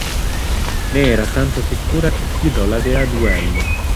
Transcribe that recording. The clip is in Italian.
Ne era tanto sicura che sfidò la dea a duello.